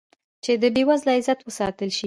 چې د بې وزله عزت وساتل شي.